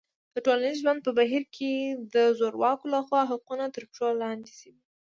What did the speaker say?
د ټولنیز ژوند په بهیر کې د زورواکو لخوا حقونه تر پښو لاندې شوي.